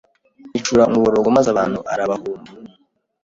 icura umuborogo, maze abantu arabahumba